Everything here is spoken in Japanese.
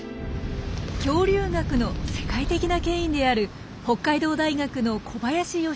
恐竜学の世界的な権威である北海道大学の小林快次博士。